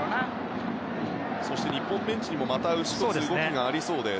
そして日本ベンチにもまた動きがありそうです。